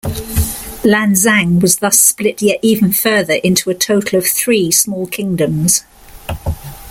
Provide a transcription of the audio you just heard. Lanxang was thus split yet even further into a total of three small kingdoms.